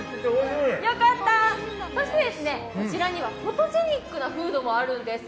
こちらにはフォトジェニックなスイーツもあるんです。